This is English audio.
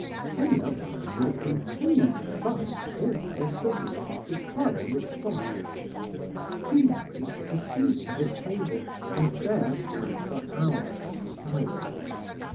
Any other man would have continued the fight or else have left the club on the spot; Queensberry took a seat at a table, and there sat for hours silent.